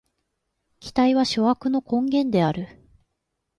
期待は諸悪の根源である。